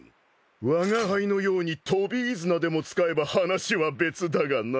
わが輩のように飛飯綱でも使えば話は別だがな。